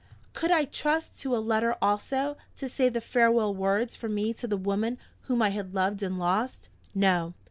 Could I trust to a letter also, to say the farewell words for me to the woman whom I had loved and lost? No!